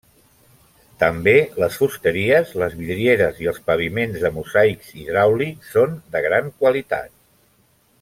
També les fusteries, les vidrieres i els paviments de mosaics hidràulics són de gran qualitat.